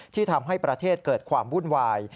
ที่ทำให้ประเทศเกิดความวุ่นวาย